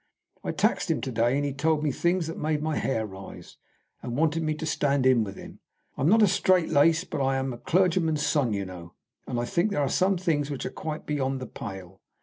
I taxed him to day, and he told me things that made my hair rise, and wanted me to stand in with him. I'm not strait laced, but I am a clergyman's son, you know, and I think there are some things which are quite beyond the pale.